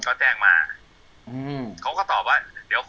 ก็แจ้งมาเขาก็ตอบว่า